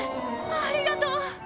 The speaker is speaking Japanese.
「ありがとう！」